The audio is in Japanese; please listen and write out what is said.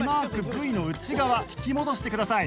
ブイの内側引き戻してください。